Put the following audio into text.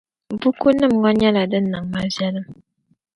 Bukunim ŋɔ nyɛla din niŋ ma viɛllim